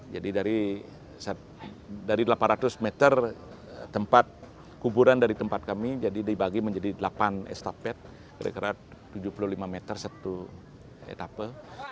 jadi dari delapan ratus meter kuburan dari tempat kami dibagi menjadi delapan estafet kira kira tujuh puluh lima meter satu etapa